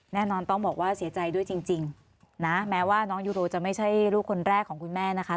แน่นอนต้องบอกว่าเสียใจด้วยจริงนะแม้ว่าน้องยูโรจะไม่ใช่ลูกคนแรกของคุณแม่นะคะ